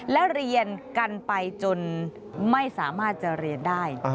และเรียนกันไปจนไม่สามารถจะเรียนได้